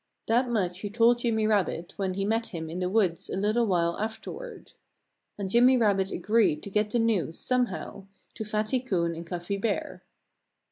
That much he told Jimmy Rabbit when he met him in the woods a little while afterward. And Jimmy Rabbit agreed to get the news, somehow, to Fatty Coon and Cuffy Bear.